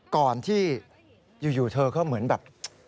ก่อนที่อยู่เธอก็เหมือนแบบ